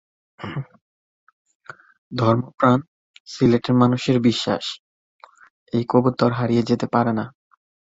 ধর্মপ্রাণ সিলেটের মানুষের বিশ্বাস- এই কবুতর হারিয়ে যেতে পারে না।